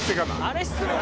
あれ失礼。